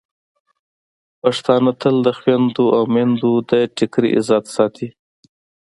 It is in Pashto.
پښتانه تل د خویندو او میندو د ټکري عزت ساتي.